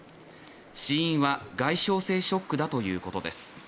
死因は外傷性ショックだということです。